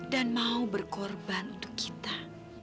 mau berkorban untuk kita